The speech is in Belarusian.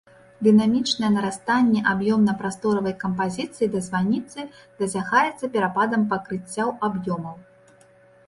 Дынамічнае нарастанне аб'ёмна-прасторавай кампазіцыі да званіцы дасягаецца перападам пакрыццяў аб'ёмаў.